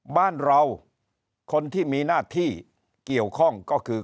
บ้านเราคนที่มีหน้าที่เกี่ยวข้องก็คือ